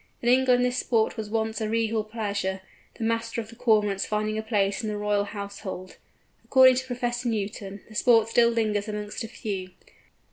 In England this sport was once a regal pleasure, the Master of the Cormorants finding a place in the Royal household. According to Professor Newton, the sport still lingers amongst a few.